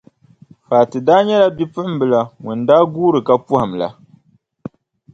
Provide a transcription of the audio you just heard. Fati daa nyɛla bipuɣimbila ŋun daa guuri ka pɔhim la.